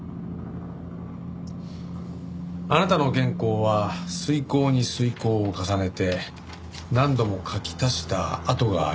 あなたの原稿は推敲に推敲を重ねて何度も書き足した跡がありました。